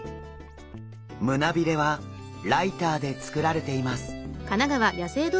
胸鰭はライターで作られています。